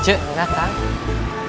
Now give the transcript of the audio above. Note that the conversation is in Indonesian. cuk ini apa sih